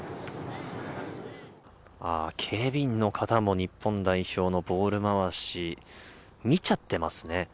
ああ、警備員の方も日本代表のボール回し、見ちゃってますね。